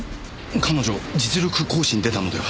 彼女実力行使に出たのでは？